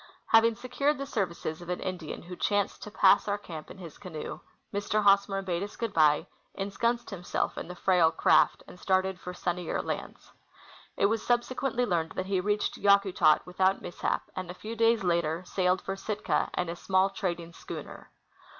Having secured the serAdces of an Indian Avho chanced to pass our camp in his canoe, Mr. Hosmer bade us good bye, ensconced himself in the frail craft, and started for sunnier lands. It was subsequently learned that he reached Yakutak Avithout mishap, and a fcAV days later sailed for Sitka in a small trading schooner.